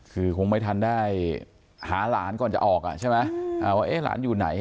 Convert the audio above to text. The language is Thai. คือคงไม่ทันได้หาหลานก่อนจะออกอ่ะใช่ไหมว่าหลานอยู่ไหน